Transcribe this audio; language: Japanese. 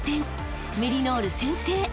［メリノール先制］